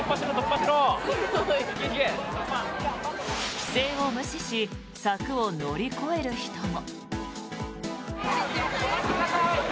規制を無視し柵を乗り越える人も。